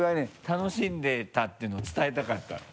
楽しんでたっていうのを伝えたかったの。